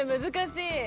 難しい。